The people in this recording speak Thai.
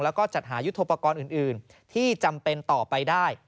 แล้วก็จัดหายุทธโปรกรณ์อื่นที่จำเป็นต่อไปได้